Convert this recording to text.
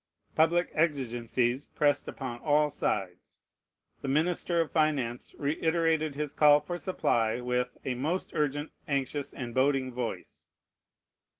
Public exigencies pressed upon all sides. The Minister of Finance reiterated his call for supply with, a most urgent, anxious, and boding voice.